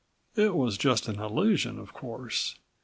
It was just an illusion, of course.